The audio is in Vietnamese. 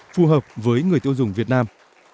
phù hợp với người tiêu dùng việt nam